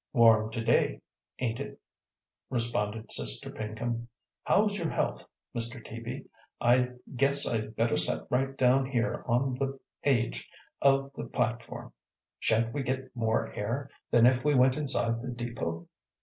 "Warm to day, ain't it?" responded Sister Pinkham. "How's your health, Mr. Teaby? I guess I'd better set right down here on the aidge of the platform; sha'n't we git more air than if we went inside the depot?